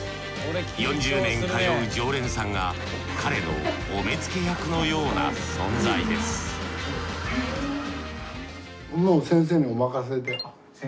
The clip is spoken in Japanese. ４０年通う常連さんが彼のお目付け役のような存在です先生？